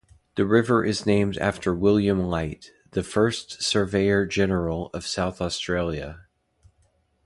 The river is named after William Light, the first Surveyor-General of South Australia.